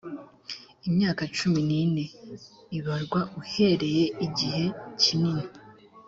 imyaka cumi n ine ibarwa uhereye igihe kinini